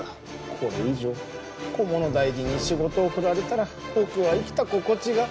これ以上菰野大臣に仕事を振られたら僕は生きた心地が。